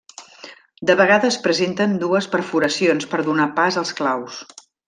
De vegades presenten dues perforacions per donar pas als claus.